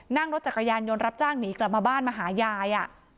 นั่งรถจักรยานยนต์รับจ้างหนีกลับมาบ้านมาหายาย